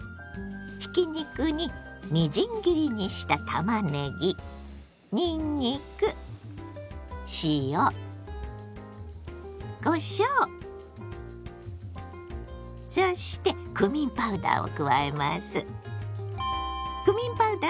ひき肉にみじん切りにしたたまねぎにんにく塩こしょうそしてクミンパウダーを加えます。